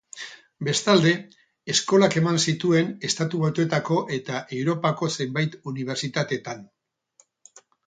Bestalde, eskolak eman zituen Estatu Batuetako eta Europako zenbait unibertsitatetan.